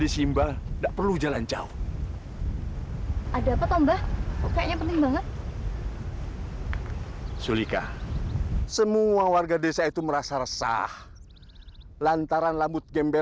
sampai jumpa di video selanjutnya